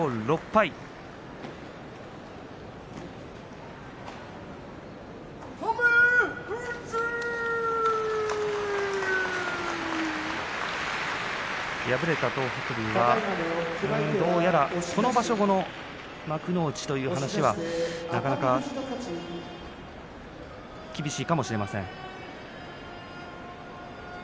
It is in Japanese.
敗れた東白龍はどうやらこの場所後の幕内という話はなかなか厳しいかもしれません。